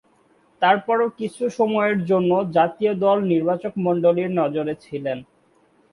তারপরও কিছু সময়ের জন্যে জাতীয় দল নির্বাচকমণ্ডলীর নজরে ছিলেন।